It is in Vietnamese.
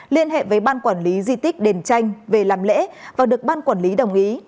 liên hệ với ban quản lý di tích đền tranh về làm lễ và được ban quản lý đồng ý